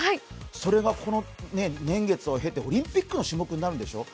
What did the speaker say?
それが年月を経てオリンピックの種目になるんでしょう？